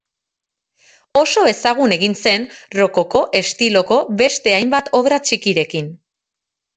Oso ezagun egin zen rokoko estiloko beste hainbat obra txikirekin.